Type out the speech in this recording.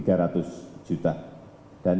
dan ini yang diperlukan